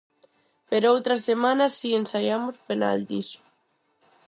Pero outras semanas si ensaiamos penaltis.